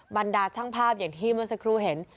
บรรดาช่างภาพอย่างที่เมื่อสักครู่เห็น